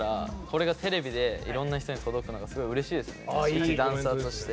一ダンサーとして。